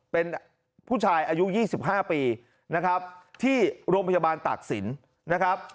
เป็นผู้ชายอายุ๒๕ปีที่โรงพยาบาลตากศิลป์